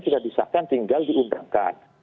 tidak disahkan tinggal diundangkan